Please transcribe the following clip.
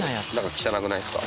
汚くないですか？